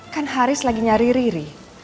kan haris lagi nyari riri